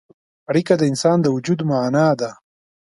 اړیکه د انسان د وجود معنا ده.